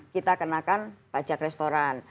kita kenakan pajak restoran